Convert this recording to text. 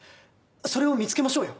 それを見つけましょうよ。